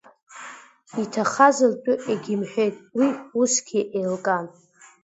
Иҭахаз ртәы егьимҳәеит, уи усгьы еилкаан.